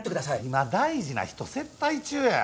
今大事な人接待中や。